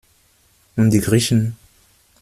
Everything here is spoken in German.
Und die Griechen?